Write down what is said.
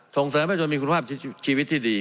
ส่งเสริมให้จนมีคุณภาพชีวิตที่ดี